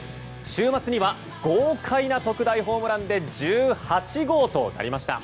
週末には豪快な特大ホームランで１８号となりました。